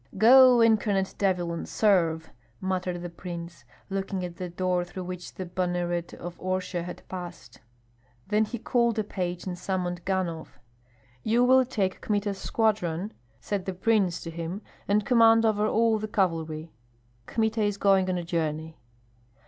"Go, incarnate devil, and serve!" muttered the prince, looking at the door through which the banneret of Orsha had passed. Then he called a page and summoned Ganhoff. "You will take Kmita's squadron," said the prince to him, "and command over all the cavalry. Kmita is going on a journey."